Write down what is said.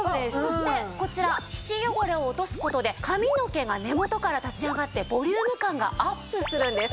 そしてこちら皮脂汚れを落とす事で髪の毛が根元から立ち上がってボリューム感がアップするんです。